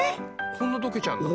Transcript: こんな溶けちゃうんだ。